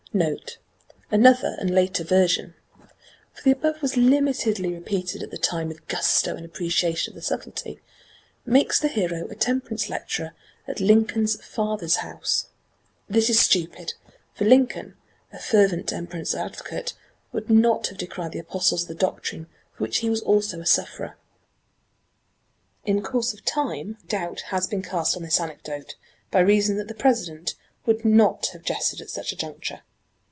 '" (NOTE. Another and later version for the above was limitedly repeated at the time with gusto and appreciation of the sublety makes the hero a temperance lecturer at Lincoln's father's house. This is stupid, for Lincoln, a fervent temperance advocate, would not have decried the apostles of the doctrine for which he was also a sufferer.) In course of time doubt has been cast on this anecdote by reason that the President would not have jested at such a juncture.